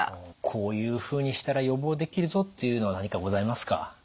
こういうふうにしたら予防できるぞっていうのは何かございますか？